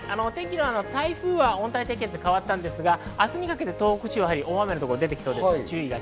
台風は温帯低気圧に変わったんですが、明日にかけて東北地方は大雨のところが出てきそうです。